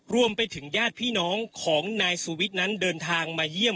รวมไปถึงญาติพี่น้องของนายสุวิทย์นั้นเดินทางมาเยี่ยม